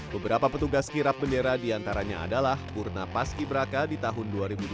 beberapa petugas kirap bendera diantaranya adalah purna paski braka di tahun dua ribu dua puluh